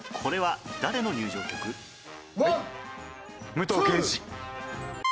武藤敬司！